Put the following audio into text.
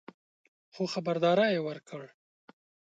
خو خبرداری یې ورکړ